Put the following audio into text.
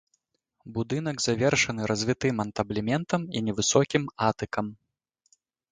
Будынак завершаны развітым антаблементам і невысокім атыкам.